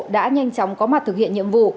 đã nhanh chóng có mặt thực hiện nhiệm vụ